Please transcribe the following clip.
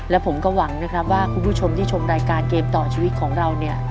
และผมก็หวังนะครับว่าคุณผู้ชมที่ชมรายการเกมต่อชีวิตของเราเนี่ย